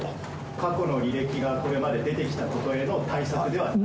過去の履歴がこれまで出てきたことへの対策ではない？